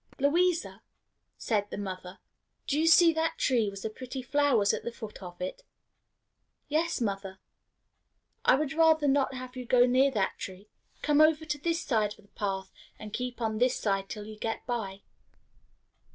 "Louisa," said the mother, "do you see that tree with the pretty flowers at the foot of it?" "Yes, mother." "I would rather not have you go near that tree. Come over to this side of the path, and keep on this side till you get by."